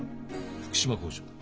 福島工場だ。